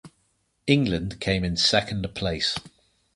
England came in second place.